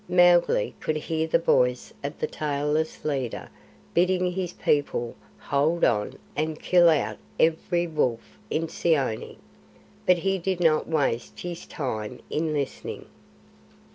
Mowgli could hear the voice of the tailless leader bidding his people hold on and kill out every wolf in Seeonee. But he did not waste his time in listening.